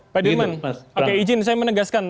pak dirman oke izin saya menegaskan